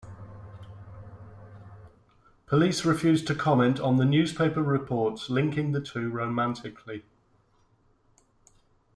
Police refused to comment on the newspaper reports linking the two romantically.